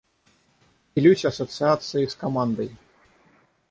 Делюсь ассоциацией с командой.